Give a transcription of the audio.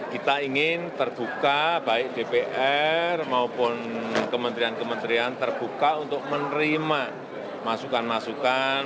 kita ingin terbuka baik dpr maupun kementerian kementerian terbuka untuk menerima masukan masukan